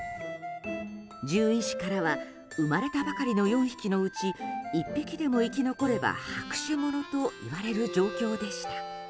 獣医師からは生まれたばかりの４匹のうち１匹でも生き残れば拍手ものといわれる状況でした。